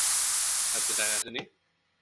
তারপর আমাদের শুধু তিনটা বা দশটা জীবন বাকি থাকবে।